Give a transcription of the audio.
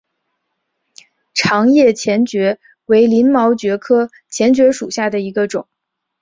长叶黔蕨为鳞毛蕨科黔蕨属下的一个种。